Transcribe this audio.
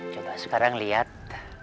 coba sekarang lihat